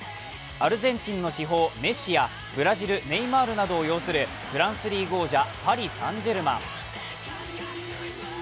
アルゼンチンの至宝、メッシやブラジル・ネイマールなどを擁するフランス王者、パリ・サン＝ジェルマン。